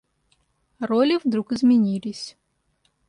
Роли вдруг изменились.